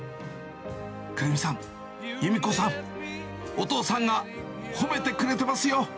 くるみさん、ゆみ子さん、お父さんが褒めてくれてますよ。